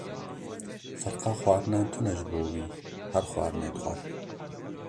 Ferqa xwarinan tune ji bo wî, her xwarinê dixwe.